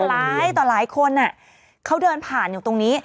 หลายต่อหลายคนเขาเดินผ่านอยู่ตรงนี้